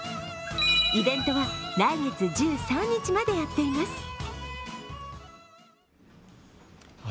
イベントは来月１３日までやっています。